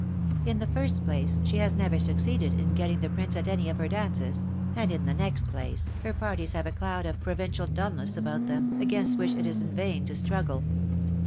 In the first place, she has never succeeded in getting the Prince at any of her dances; and in the next place, her parties have a cloud of provincial dulness upon them, against which it is in vain to struggle.